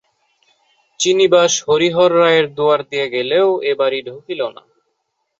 চিনিবাস হরিহর রায়ের দুয়ার দিয়া গেলেও এ বাড়ি ঢুকিল না।